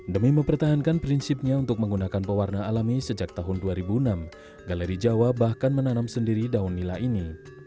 demi mempertahankan prinsipnya untuk menggunakan pewarna alami sejak tahun dua ribu enam galeri jawa bahkan menanam sendiri daun nila ini